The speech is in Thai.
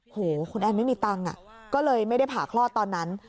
โหคุณแอนไม่มีตังค์ก็เลยไม่ได้ผ่าคลอดตอนนั้น